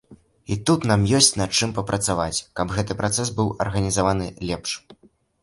І тут нам ёсць, над чым папрацаваць, каб гэты працэс быў арганізаваны лепш.